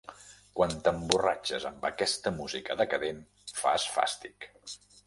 Quan t'emborratxes amb aquesta música decadent fas fàstic!